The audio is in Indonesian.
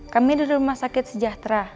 kami di rumah sakit sejahtera